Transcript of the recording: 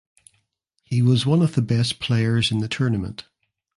He was one of the best players in the tournament.